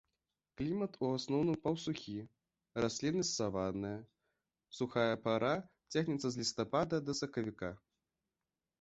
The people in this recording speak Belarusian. Клімат у асноўным паўсухі, расліннасць саванная, сухая пара цягнецца з лістапада да сакавіка.